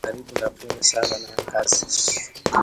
Karibu na pole sana na kazi